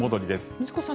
水越さん